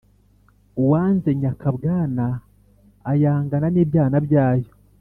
Uwanze nyakabwana ayangana n’ibyana byayo.